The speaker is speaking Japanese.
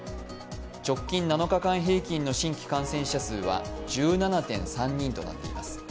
直近７日間平均の新規感染者数は１７．３人となっています。